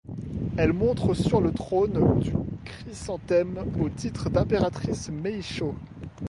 Elle montre sur le trône du chrysanthème au titre d'impératrice Meishō.